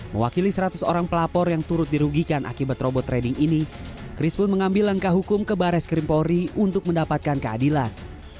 mewakili seratus orang pelapor yang turut dirugikan akibat robot trading ini chris pun mengambil langkah hukum ke baris krim polri untuk mendapatkan keadilan